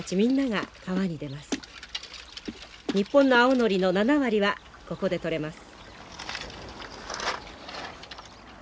日本の青ノリの７割はここで採れます。